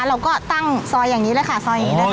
เราก็ตั้งซอยอย่างนี้เลยค่ะซอยนี้นะคะ